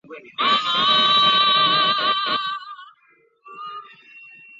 专业版安装介质中包含着众多的金山字库可在安装时有选择性的安装。